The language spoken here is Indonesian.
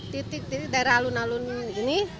titik titik daerah alun alun ini